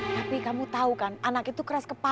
tapi kamu tau kan anak itu keras keras